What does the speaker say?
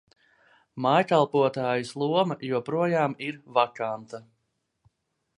Mājkalpotājas loma joprojām ir vakanta.